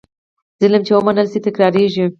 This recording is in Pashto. ظلم چې ومنل شي، تکرارېږي.